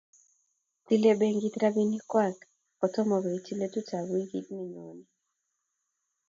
tile benkit robinikwak kotomo koitchi letutab wikit ne nyone